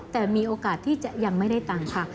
แต่มีโอกาสที่จะยังไม่ได้ตังค์ค่ะ